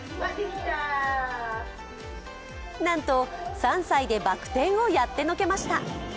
なんと３歳でバク転をやってのけました。